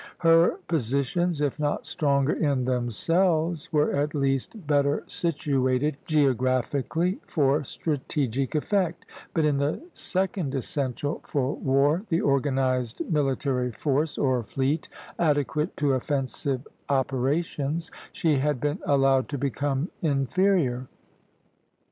Her positions, if not stronger in themselves, were at least better situated, geographically, for strategic effect; but in the second essential for war, the organized military force, or fleet, adequate to offensive operations, she had been allowed to become inferior.